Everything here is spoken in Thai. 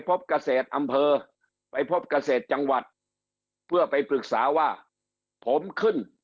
พบเกษตรอำเภอไปพบเกษตรจังหวัดเพื่อไปปรึกษาว่าผมขึ้น